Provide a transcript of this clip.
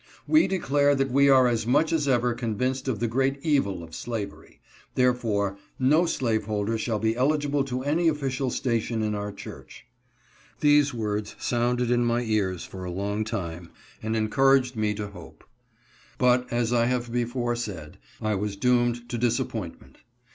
We declare that we are as much as ever convinced of the great evil of slavery ; therefore, no slaveholder shall be eligible to any official station in our church." These words sounded in my ears for a long time, and encouraged me to hope. 134 ST. MICHAELS THE PREACHER'S HOME. But, as I have before said, I was doomed to disappoint ment.